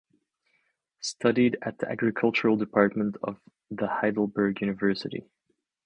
Studied at the agricultural department of the Heidelberg University.